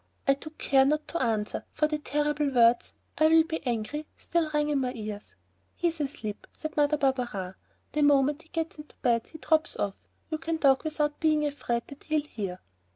I took care not to answer, for the terrible words, "I'll be angry" still rang in my ears. "He's asleep," said Mother Barberin; "the moment he gets into bed he drops off. You can talk without being afraid that he'll hear."